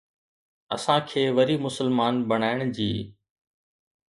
اسان کي وري مسلمان بنائڻ جي؟